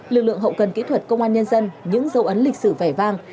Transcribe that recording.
lực lượng hậu cần kỹ thuật công an nhân dân những dấu ấn lịch sử vẻ vang